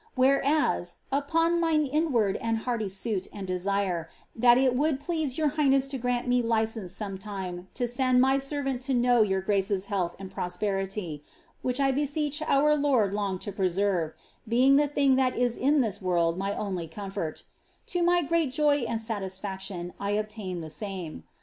Wliereas, upon mine inward and hearty suit and desire that it would please your highness to grant me license some time to send my servant to know your grace's health and prosperity (which 1 beseech our Lord long to preserve, being the thing that is in this world my only comfort), to my great joy and satisfaction I obtained the same.